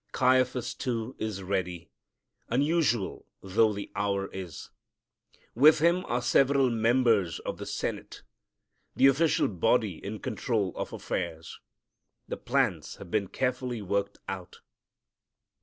Caiaphas, too, is ready, unusual though the hour is. With him are several members of the senate, the official body in control of affairs. The plans have been carefully worked out.